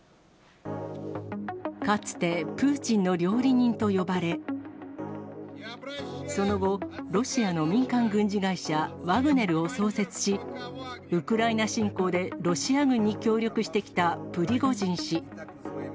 かつて、プーチンの料理人と呼ばれ、その後、ロシアの民間軍事会社、ワグネルを創設し、ウクライナ侵攻でロシア軍に協力してきたプリゴジン氏。